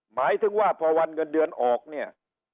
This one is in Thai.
หมายถึงว่าพอวันเงินเดือนออกเนี่ย